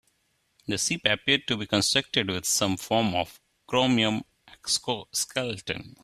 The ship appeared to be constructed with some form of chromium exoskeleton.